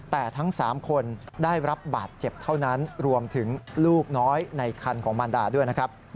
แต่ทั้ง๓คนได้รับบาดเจ็บเท่านั้นรวมถึงลูกน้อยในคันของมารดาด้วยนะครับ